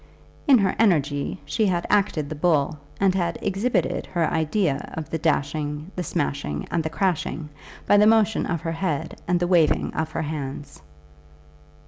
In her energy she had acted the bull, and had exhibited her idea of the dashing, the smashing and the crashing, by the motion of her head and the waving of her hands.